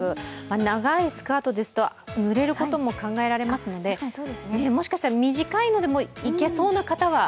長いスカートですと、ぬれることも考えられますので、もしかしたら短いのでもいけそうな方は。